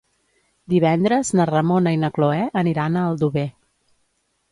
Divendres na Ramona i na Cloè aniran a Aldover.